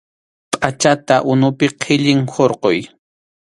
Pʼachata unupi qhillin hurquy.